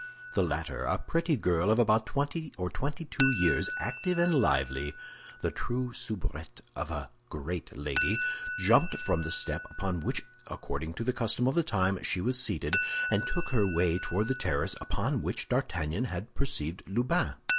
The latter—a pretty girl of about twenty or twenty two years, active and lively, the true soubrette of a great lady—jumped from the step upon which, according to the custom of the time, she was seated, and took her way toward the terrace upon which D'Artagnan had perceived Lubin.